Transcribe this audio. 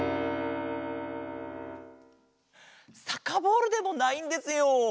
サッカーボールでもないんですよ。